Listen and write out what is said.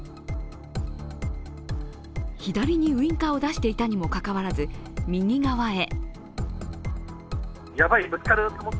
左にウインカーを出していたにもかかわらず、右側へ。